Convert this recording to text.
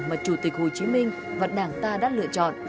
mà chủ tịch hồ chí minh và đảng ta đã lựa chọn